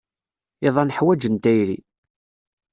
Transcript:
Iḍan ḥwajen tayri.